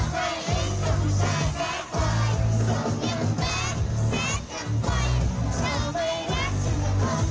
เพื่อไปหลิงสุกใช่แบบไวสุกยังบันแซกยังไว